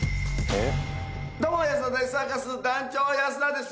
どうも安田大サーカス団長安田です。